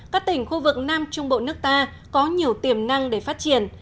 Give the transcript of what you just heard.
các tỉnh khu vực nam trung bộ nước ta có nhiều tiềm năng để phát triển